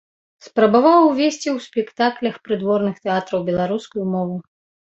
Спрабаваў увесці ў спектаклях прыдворных тэатраў беларускую мову.